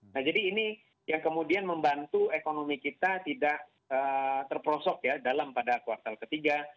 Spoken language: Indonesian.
nah jadi ini yang kemudian membantu ekonomi kita tidak terprosok ya dalam pada kuartal ketiga